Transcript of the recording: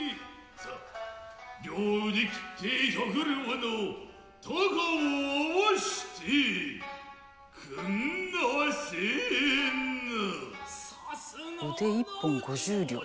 サ両腕切って百両の高を合わしてくんなせえな。